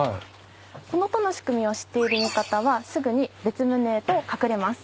この戸の仕組みを知っている味方はすぐに別棟へと隠れます。